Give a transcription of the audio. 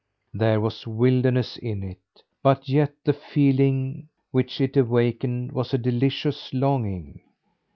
There was wildness in it; but yet the feeling which it awakened was a delicious longing.